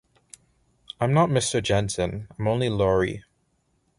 I'm not Mr. Jensen, I'm only Laurie.